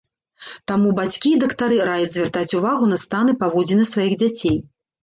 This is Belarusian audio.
Таму бацькі і дактары раяць звяртаць увагу на стан і паводзіны сваіх дзяцей.